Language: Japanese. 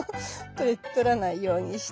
取らないようにして。